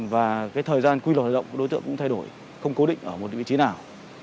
và cái thời gian quy luật hoạt động đối tượng cũng thay đổi không cố định ở một vị trí nào